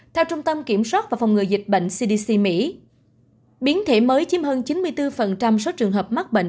theo trung tâm kiểm soát và phòng ngừa dịch bệnh cdc mỹ biến thể mới chiếm hơn chín mươi bốn số trường hợp mắc bệnh